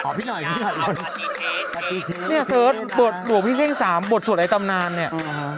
นี่๔๐๐บทหลวงพิเศษ๓บทสวดใดตามนามเนี่ย